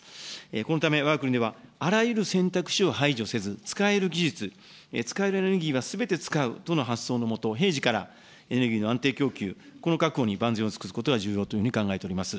このため、わが国ではあらゆる選択肢を排除せず、使える技術、使えるエネルギーがすべて使うとの発想の下、平時からエネルギーの安定供給、この確保に万全を尽くすことが重要というふうに考えております。